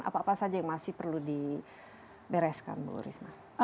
apa apa saja yang masih perlu dibereskan bu risma